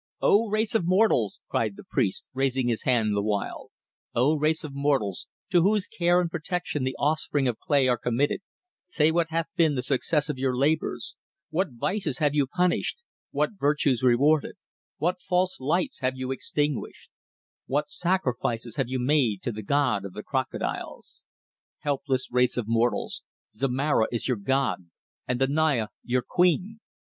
"O, race of mortals," cried the priest, raising his hand the while, "O race of mortals, to whose care and protection the offspring of clay are committed, say what hath been the success of your labours; what vices have you punished; what virtues rewarded; what false lights have you extinguished; what sacrifices have you made to the god of Crocodiles? Helpless race of mortals, Zomara is your god and the Naya your queen.